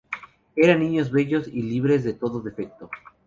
Eran niños bellos y libres de todo defecto.